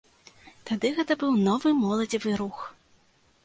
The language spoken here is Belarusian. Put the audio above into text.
Тады гэта быў новы моладзевы рух.